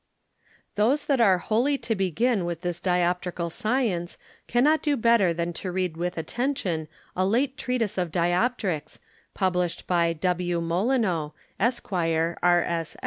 Those that are wholly to begin with this Dioptrical Science, cannot do better than to read with Attention a late Treatise of Dioptricks, published by W. Molineux, Esq, R.